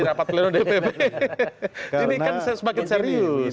karena ini kan semakin serius